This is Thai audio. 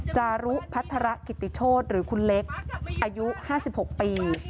จารุพัฒระกิติโชธหรือคุณเล็กอายุ๕๖ปี